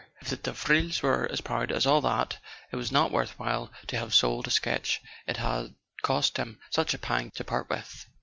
If the Davrils were as proud as all that it was not worth while to have sold a sketch it had cost him such a pang to part with.